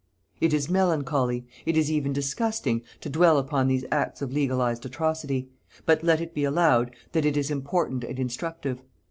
It is melancholy, it is even disgusting, to dwell upon these acts of legalized atrocity, but let it be allowed that it is important and instructive.